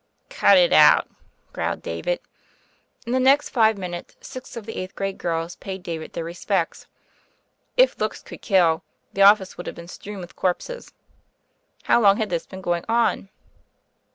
"Cut it out," growled David. In the next five minutes six of the eighth grade girls paid David their respects. If looks could kill, the office would have been strewn with corpses. How long had this been going on?